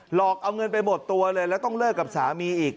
หลอกเอาเงินไปหมดตัวเลยแล้วต้องเลิกกับสามีอีก